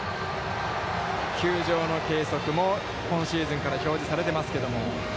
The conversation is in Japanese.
球場の計測も今シーズンから表示されてますけども。